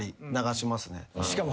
しかも。